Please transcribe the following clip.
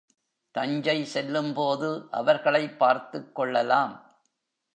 தஞ்சை செல்லும்போது அவர்களைப் பார்த்துக் கொள்ளலாம்.